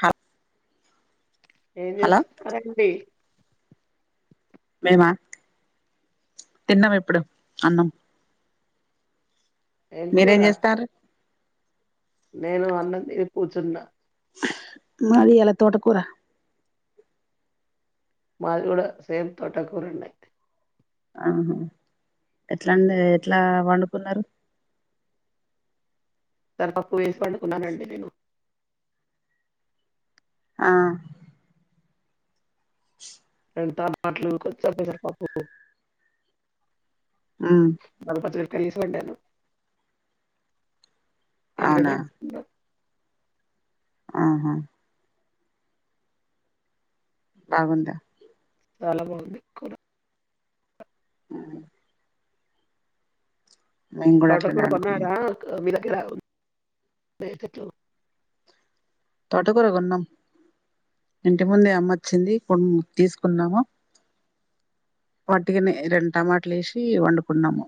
హ ఏం హలో చేస్తున్నారండి మేమా తిన్నాం ఇప్పుడు అన్నం ఏం మీరేం కూర? చేస్తారు నేను అన్నం తిని కూర్చున్నా మాది ఇవ్వల తోట కూర మాది కూడా సేమ్ తోటకూరనే ఆహా ఎట్లాండి ఎట్లా వండుకున్నారు. తరపకు వేసి పండుకున్నానండి నేను ఆ [inaudible] పప్పు ఉమ్ కర్రీస్ వండాను అవునా ఎల్లిగడ్డసి ఆహా బాగుందా చాల బాగుంది కూర అ కూడా తోట అట్లనే కూర వండుకున్నాం కొన్నారా లే [unintelligible] తోట కూర కొన్నాం ఇంటి ముందే అమ్మచ్చింది ఇప్పుడు తీసుకున్నాము. వట్టిగానే రెండు టమాటలు వేసి వండుకున్నాము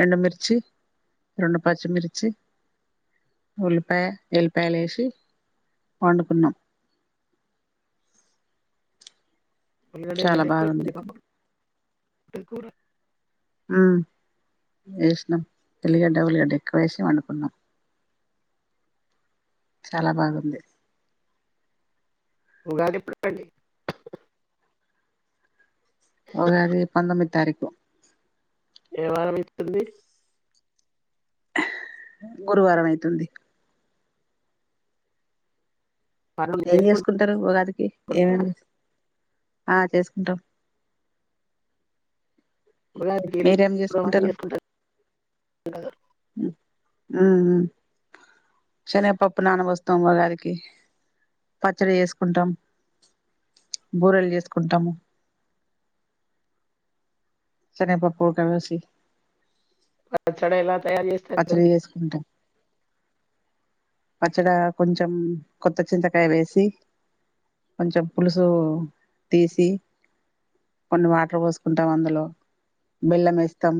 రెండు మిర్చి రెండు పచ్చ మిరిచి ఉల్లిపాయ ఏలిపాయలు లేసి వండుకున్నాం ఉల్లిగడ్డ చాలా ఎల్లిగడ్డ ఎక్కువ బాగుంది ఇతుందు కూర వేసినాం ఎలిగడ్డ ఉలిగడ్డ ఎక్కువ వేసినం అండు కున్నాం చాలా బాగుంది ఉగాది ఎప్పుడు అండి. ఉగాది పంతొమ్మిది తారీ ఏ వారం వస్తుంది గురువారం అయితుంది పనులు ఏం చేసుకుంటారు ఉగాదికి ఏమేం చేసుకుంటున్నారా? ఆ చేసుకుంటాం ఉగాదికి మీరేం ఇప్పుడు అన్ని చేసుకుంటారు ఉమ్ మ్మ్ శనగపప్పు నాన పోస్తాం ఉగాది కి పచ్చడి చేసుకుంటాం బూరెలు చేసుకుంటాము శనగపప్పు ఉడకపోసి పచ్చడ ఇలా [inaudible] పచ్చడి చేసుకుంటాం పచ్చడా కొంచెం కొత్త చింతకాయ వేసి కొంచెం పులుసు తీసి కొన్ని వాటర్ పోసుకుంటాం అందులో బెల్లం వేస్తాం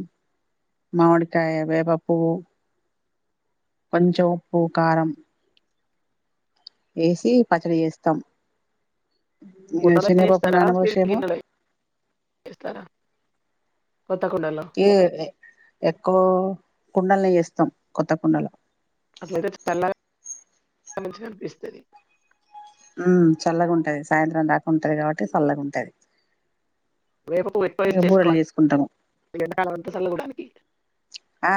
మామిడికాయ వేపపువ్వు కొంచెం ఉప్పు కారం వేసి పచ్చడి చేస్తాం కుండలో శనగ పప్పు చేస్తారా? స్టీల్ ననబోసేము గిన్నెలో చేస్తారా? కొత్త కుండలో ఈ ఎక్కువ కుండల్నే చేస్తాం కొత్త కుండల అట్లయితే చల్లగా మంచిగనిపిస్తది ఉ చల్లగుంటది సాయంత్రం దాకా ఉంటది కాబట్టి చల్లగుంటది వేప పువ్వు ఎక్కవ వేసి చేసుకోవండి చేసుకుంటాము ఈ ఎండాకాలమంతా సల్లగా ఉంటది. ఆ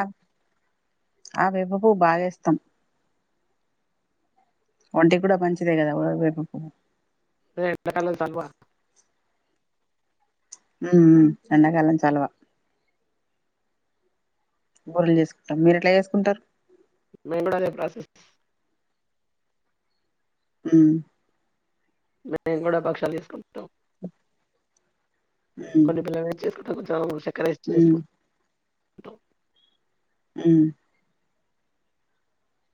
ఆ వేప పువ్వు బాగా వేస్తాం. ఒంటికి కూడా మంచిదే కదా ఒ వేరేపువ్వు రేయ్ పగలు తల్వ ఊ ఊ ఎండ కాలం చలవా బూరెలు చేసుకుంటం మీరు ఎట్లా చేసుకుంటారు నేన్ కూడా అదే ప్రాసెస్ ఊ మేము కూడా పక్షాలు చేసుకుంటం ఉమ్ కొన్ని పిల్లలు చేసుకు నాకు జలుబు చెక్కెర ఏసి ఇట్ల ఉమ్ చేసుకుంటం ఊ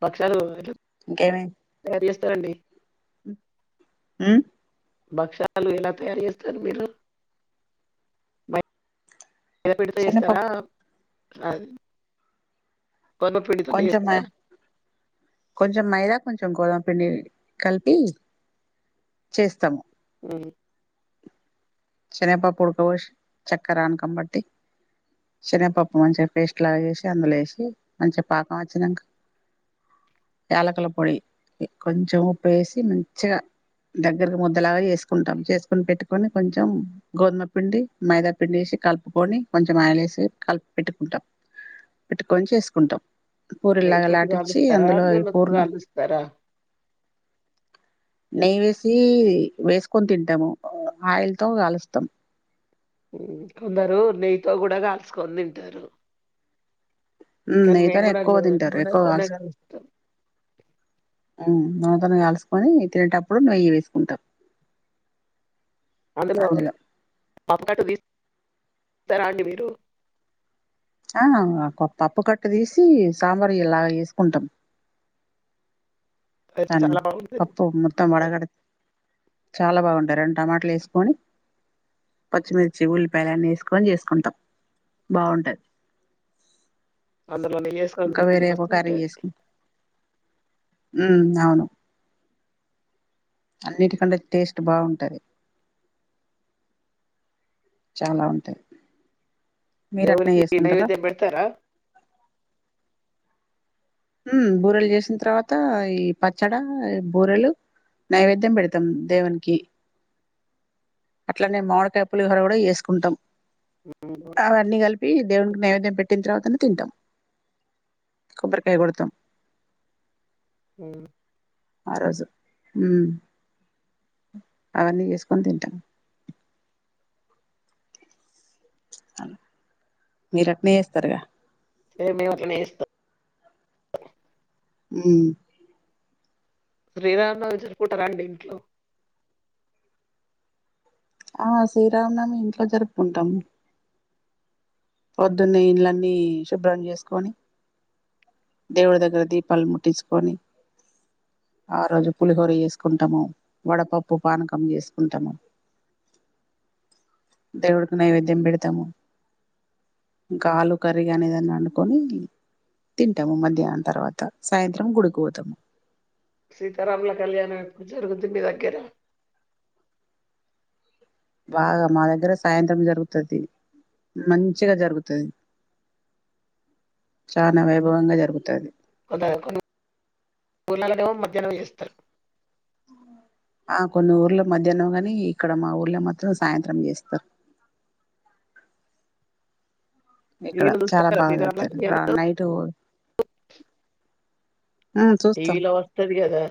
బక్షాలు మీరు ఇంకేమీ తరిగేస్తా అండీ ఉ భక్షలు ఎలా తయారు చేస్తారు మీరు బ శనగ పిడితో చేస్తారా శనగపప్పు అది కొంచమ కొంచం మైదా కొంచెం గోదం పిండి కలిపి చేస్తము ఊ శనగ పప్పు ఉడక బోషి చక్కర అనకం బట్టి శనగపప్పు మంచిగా పేస్ట్ లాగ వేసి అందులో వేసి మంచిగా పాకం వచ్చినాక యాలకుల పొడి కొంచము ఉప్పు వేసి మంచిగా దగ్గరకి ముద్దలాగా చేసుకుంటాం చేసుకుని పెట్టుకొని కొంచెం కొంచెం గోధుమ పిండి మైదా పిండి వేసి కలుపుకొని కొంచెం ఆయలేేసి కలిపి పెట్టుకుంటాం పెట్టుకొని చేసుకుంటాం నెయ్యి పూరిలాగా తోటి లాటించి కాలుస్తారా అందులో ఈ జొన్నతో పూర్ణం కాలుస్తారా నెయ్య వేసి వేసుకొని తింటాము ఆయిల్ తో కాలుస్తాం ఊ కొందరు నెయ్యితో కూడా కాల్చుకొని తింటరు ఊ నెయ్యితోని ఎక్కువ తింటరు ఎక్కువ నూనెతోనే కాల్స్ కాలుస్తాం ఊ ఆ దాని కాల్సుకొని తినేటప్పుడు నెయ్యి వేసుకుంటరు అందులో పపకట్టు తీస్తారా అండి మీరు ఆ పప్పు కట్ట తీసి సాంబారు ఇలా తీసుకుంటాం అది తన్నీ చాలా బాగుంటది. పప్పు మొత్తం వడగడి చాలా బాగుంటయ్ రెండు టమాటలు వేసుకొని పచ్చిమిర్చి ఉల్లిపాయలు అన్నీ వేసుకొని చేసుకుంటాం బాగుంటది అందులో నెయ్యేసుకొని ఇంకా తింటే వేరే ఎగ్ కర్రీ మస్తుంటది. చేసుకుంటాం ఊ అవును అన్నిటి కంటే టేస్ట్ బాగుంటది చాలా ఉంటాయి మీర అట్నే దేవుడికి చేసుకుంటర నైవేద్యం పెడతారా? ఊ బూరెలు చేసిన తర్వాత ఈ పచ్చడా బూరెలు నైవేద్యం పెడతాం దేవున్కి అట్లనే మామిడికాయ పులిహోర కూడా చేసుకుంటాం హ్మ్. అవన్నీ కలిపి దేవునికి నైవేద్యం పెట్టిన తర్వాత తింటాం కొబ్బరికాయ కొడతాం ఉ ఆ రోజు ఉ అవన్నీ చేసుకొని తింటాం మీరు అట్నే చేస్తారుగా ఏ మేము అట్లనే చేస్తాం ఉ శ్రీరామనావమి జరుకుంటార అండి ఇంట్లో ఆ శ్రీరామనమి ఇంట్లో జరుపుకుంటాము పొద్దునే ఇండ్లు అన్నీ శుభ్రం చేసుకొని దేవుడి దగ్గర దీపాలు ముట్టించుకొని ఆ రోజు పులిహోర చేసుకుంటాము వడపప్పు పానకం చేసుకుంటాము దేవుడుకు నైవేద్యం పెడతాము ఇంకా ఆలు కర్రీ గానీ ఏదన్నా అండుకొని తింటాము మధ్యాహ్నం తర్వాత సాయంత్రం గుడి కు పోతాము సీతారాముల కళ్యాణం ఎప్పుడు జరుగుంది మీ దగ్గర బాగా మా దగ్గర సాయంత్రం జరుగుతది మంచిగా జరుగుతది చానా వైభవంగా జరుగుతది కొంత కొన్ని ఊర్లల్ల నేమో మధ్యాహ్నం చేస్తారు ఆ కొన్ని ఊర్ల మధ్యాహ్నం కాని ఇక్కడ మా ఊర్లో మాత్రం సాయంత్రం చేస్తారు ఇక్కడ టీవీలో చాలా చూస్తారా బాగా సీతారాముల జరుపుతారు రా కళ్యాణం? నైట్ చూస్తాం టీవీ లో వస్తతి కదా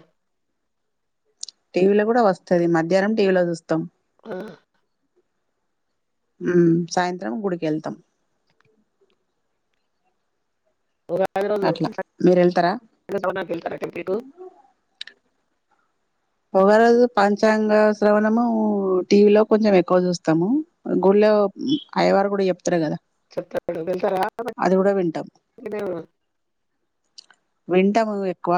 టీవీ లో కూడా వస్తది మధ్యాహ్నం టీవీలో చూస్తాం ఆ ఉ సాయంత్రం గుడికి వెళ్తాం ఉగాది రోజు అట్లా పంచాంగ మీరు వెళ్తారా శ్రవణ నికి వెళ్ళతారా టెంపుల్ కు ఉగాది రోజు పంచాంగ శ్రవణము టీవీ లో కొంచెం ఎక్కువ చూస్తాము గుళ్ళే కో అయ్యవారు కూడా చెప్తారు కదా చెత్తబడు వెళ్ళతారా మరి అది కూడా వింటాం ఇదేవు వింటము ఎక్కువ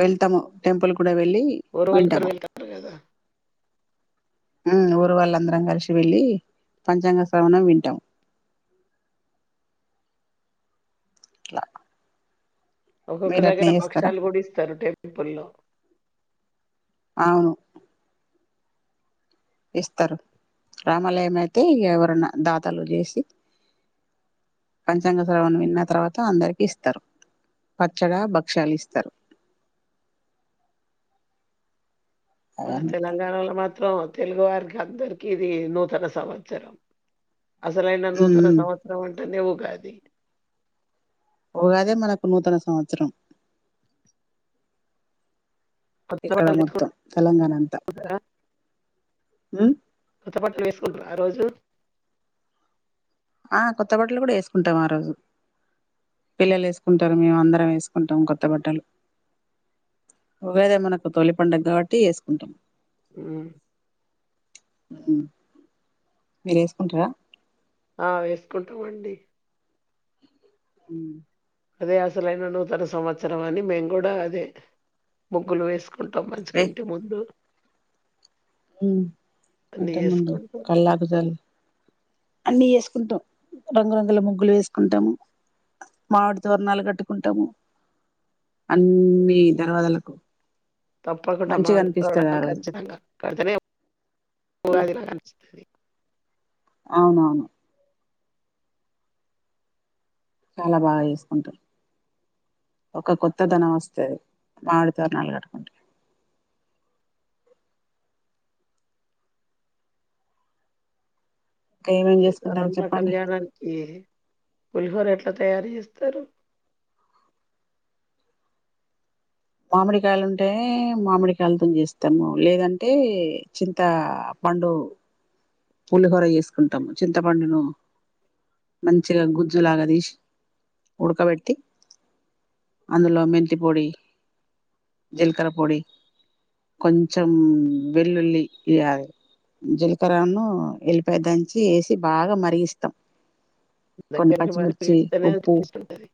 వెళ్తాము టెంపుల్ కూడా వెళ్ళి ఊరు వాళ్ళందరూ వింటాము వెళ్తారు కదా! ఉ ఊరు వాళ్ళందరం కలిసి వెళ్ళి పంచాంగ శ్రవణం వింటాం ఇలా ఒక్కొక్క దగ్గర భక్ష్యాలు కూడా ఇస్తారు టెంపుల్లో అవును ఇస్తారు రామాలయం అయితే ఎవరన్నా దాతలు చేసి పంచాంగ శ్రవణం విన్న తర్వాత అందరికి ఇస్తారు పచ్చడ భక్ష్యాలు ఇస్తారు మన అవన్నీ తెలంగాణలో మాత్ సో తెలుగు వారికి అందరికి ఇది నూతన సంవత్సరం అసలు అయిన నూతన ఉమ్ సంవత్సరం అంటే నే ఉగాది ఉగాదె మనకు నూతన సంవత్సరం కొత్త ఇక్కడ బట్టలు మొత్తం తెచ్చుకుంటారా? తెలంగాణ అంతా ఉ కొత్త బట్టలు వేసుకుంటార ఆ రోజు ఆ కొత్త బట్టలు కూడా వేసుకుంటాం ఆ రోజు పిల్లలు వేసుకుంటారు మేము అందరం వేసుకుంటాము కొత్త బట్టలు ఉగాదె మనకు తొలి పండుగ కాబట్టి వేసుకుంటాం ఉ ఊ మీరు వేసుకుంటారా ఆ వేసుకుంటాండి ఉహు అదే అసలైన నూతన సంవత్సరం అని మేము కూడా అదే ముగ్గులు వేసు వేసుకుంటాం మంచిగా ఇంటి ముందు హు అన్నీ ఇంటి ముందు చేసుకుంటాం. కళ్ళపి జల్లి అన్నీ వేసుకుంటాము రంగురంగుల ముగ్గులు వేసుకుంటాము మామిడి తోరణాలు కట్టుకుంటాము అన్ని దర్వాదలకు తప్పకుండా [inaudible] కచిన అది ఇలా దంచి అవునవును చాలా బాగా వేసుకుంటాం ఒక కొత్తదనం వస్తేది మామిడితోరుణలగట్టుకుంటే ఇంకా ఏమేం చేసుకుంటారు అదంట్ల చెప్పండి కళ్యాణానికి పులిహోర ఎట్లా తయారు చేస్తారు మామిడికాయలు ఉంటే మామిడికాయలతోని చేస్తాము లేదంటే చింత పండు పులిహోర చేసుకుంటాము చింతపండును మంచిగా గుజ్జులాగా తీసి ఉడకబెట్టి అందులో మెంతి పొడి జీలకర్ర పొడి కొంచెం వెల్లుల్లి ఇగ జీలకర ఉన్న వెళ్ళిపోయ దంచి వేసి బాగా మరిగిస్తాం కొన్ని దగ్గరికి మరి పచ్చిమిర్చి ఇస్తేనే ఉప్పు టేస్ట్ ఉంటది.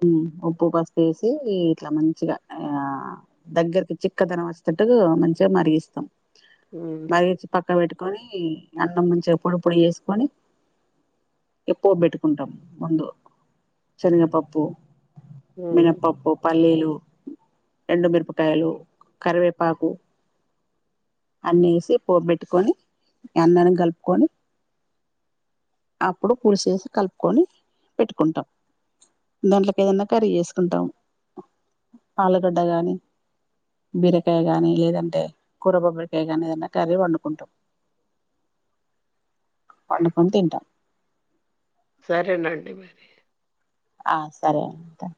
హు ఉప్పు పసుపు వేసి ఇట్లా మంచిగా ఆ దగ్గరకి చిక్కదనం వచ్చేట్టు మ సే మరిగిస్తాం ఊ మరిగించి పక్క పెట్టుకొని అన్నం మంచిగా పొడి పొడి చేసుకొని ఇగ పోపుపెట్టుకుంటాం ముందు శనగ పప్పు హ్మ్. మినపప్పు పల్లీలు రెండు మిరపకాయలు కరివేపాకు అన్నేసి పోబెట్టుకొని అన్ననం కి కలుపుకొని అప్పుడు పులుసు ఏసి కలుపుకొని పెట్టుకుంటాం దాంట్లకి ఏదన్నా కర్రీ చేసుకుంటాం ఆలుగడ్డ గాని బీరకాయ గానీ లేదంటే కూర బొబ్బరికాయ గానీ ఏదన్నా కర్రీ వండుుకుంటాం వండుకొని తింటా సరేనండి మరి ఆ సరే ఉంటాను